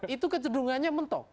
itu kecedungannya mentok